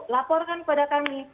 laporkan kepada kami